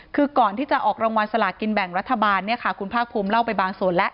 คือก่อนที่จะออกรางวัลสลากินแบ่งรัฐบาลเนี่ยค่ะคุณภาคภูมิเล่าไปบางส่วนแล้ว